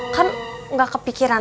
kan gak kepikirannya